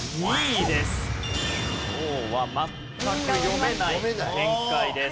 今日は全く読めない展開です。